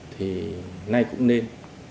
thì nay cũng nên